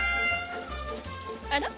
あら？